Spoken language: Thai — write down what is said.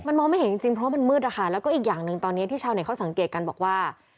มันมองไม่เห็นจริงเพราะว่ามันมืดนะคะแล้วก็อีกอย่างหนึ่งตอนนี้ที่ชาวเน็ตเขาสังเกตกันบอกว่า